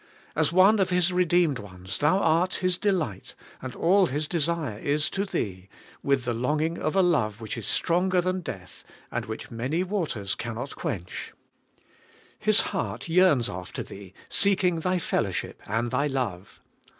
As one of His redeemed ones, thou art His delight, and all His desire is to thee, with the longing of a love which is stronger than death, and which many waters cannot quench. His heart yearns after thee, seeking thy fellowship and thy love.